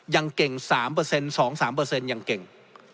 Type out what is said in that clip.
ยังเก่ง๓เปอร์เซ็นต์๒๓เปอร์เซ็นต์ยังเก่ง